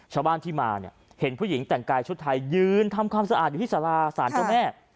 ชาวบ้านที่มาเนี่ยเห็นผู้หญิงแต่งกายชุดไทยยืนทำความสะอาดอยู่ที่สาราสารเจ้าแม่